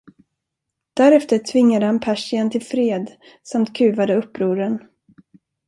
Därefter tvingade han Persien till fred samt kuvade upproren.